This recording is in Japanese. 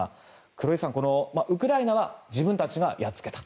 黒井さん、ウクライナは自分たちがやっつけた。